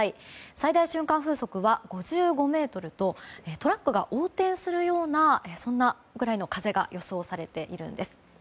最大瞬間風速は５５メートルとトラックが横転するぐらいの風が予想されているんです。